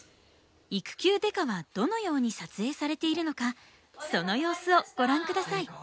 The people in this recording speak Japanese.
「育休刑事」はどのように撮影されているのかその様子をご覧下さい。